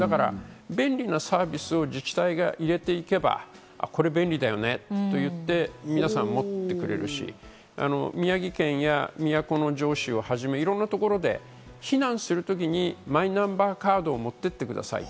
便利なサービスを自治体が入れていけば、これ便利だよねと言って皆さん持ってくれるし、宮城県や都城市をはじめ、いろいろなところで避難するときにマイナンバーカードを持っていってください。